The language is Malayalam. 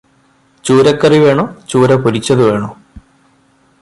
ചൂരക്കറി വേണോ ചൂര പൊരിച്ചതു വേണോ?